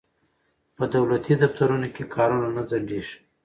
په دولتي دفترونو کې کارونه نه ځنډیږي.